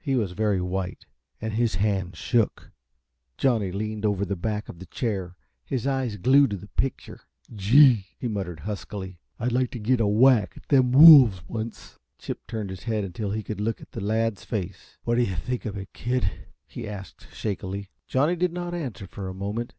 He was very white, and his hand shook. Johnny leaned over the back of the chair, his eyes glued to the picture. "Gee," he muttered, huskily, "I'd like t' git a whack at them wolves once." Chip turned his head until he could look at the lad's face. "What do you think of it, kid?" he asked, shakily. Johnny did not answer for a moment.